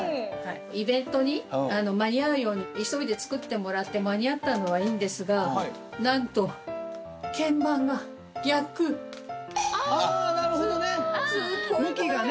イベントに間に合うように急いで作ってもらって間に合ったのはいいんですがなんとああなるほどね向きがね。